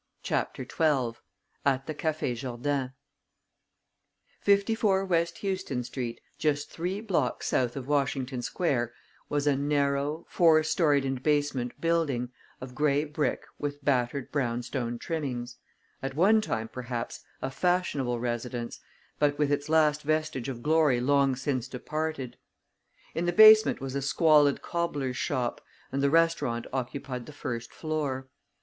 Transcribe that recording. CHAPTER XII At the Café Jourdain Fifty four West Houston Street, just three blocks south of Washington Square, was a narrow, four storied and basement building, of gray brick with battered brown stone trimmings at one time, perhaps, a fashionable residence, but with its last vestige of glory long since departed. In the basement was a squalid cobbler's shop, and the restaurant occupied the first floor.